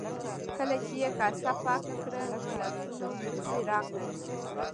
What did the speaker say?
کله چې یې کاسه پاکه کړه نو لاسونو پسې راغلل.